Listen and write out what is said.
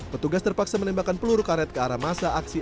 petugas terpaksa menembakkan peluru karet ke arah masa aksi